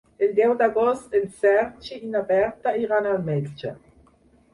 El deu d'agost en Sergi i na Berta iran al metge.